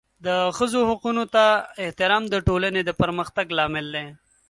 د ښځو حقونو ته احترام د ټولنې د پرمختګ لامل دی.